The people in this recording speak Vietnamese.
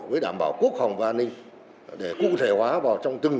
với đảm bảo quốc phòng và an ninh để cụ thể hóa vào trong tương lai